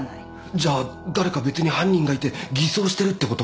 じゃあ誰か別に犯人がいて偽装してるってこと？